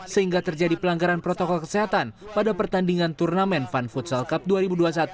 sehingga terjadi pelanggaran protokol kesehatan pada pertandingan turnamen fun futsal cup dua ribu dua puluh satu